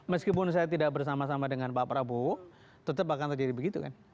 meskipun saya tidak bersama sama dengan pak prabowo tetap akan terjadi begitu kan